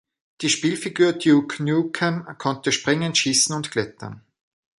Die Spielfigur Duke Nukem konnte springen, schießen und klettern.